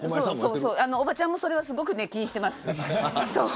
おばちゃんも、それはすごく気にしています。